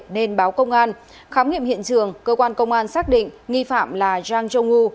nên báo công an khám nghiệm hiện trường cơ quan công an xác định nghi phạm là zhang zhongwu